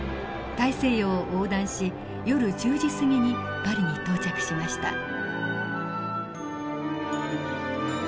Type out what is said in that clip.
大西洋を横断し夜１０時過ぎにパリに到着しました。